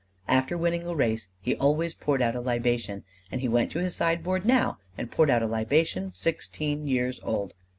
After winning a race, he always poured out a libation; and he went to his sideboard now and poured out a libation sixteen years old.